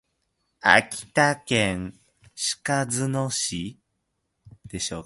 秋田県鹿角市